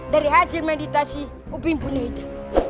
dari hasil meditasi uping punya itu